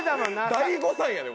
大誤算やねん！